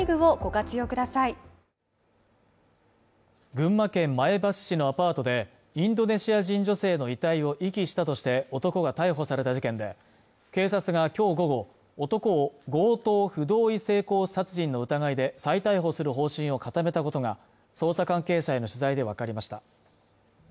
群馬県前橋市のアパートでインドネシア人女性の遺体を遺棄したとして男が逮捕された事件で警察が今日午後、男を強盗不同意性交殺人の疑いで再逮捕する方針を固めたことが捜査関係者への取材で分かりました